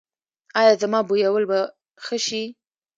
ایا زما بویول به ښه شي؟